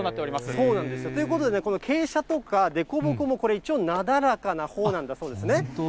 そうなんですよ。ということでこの傾斜とか凸凹もこれ、一応なだらかなほうなんだそうですね。